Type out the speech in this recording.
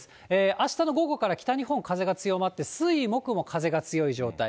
あしたの午後から北日本、風が強まって、水、木も風が強い状態。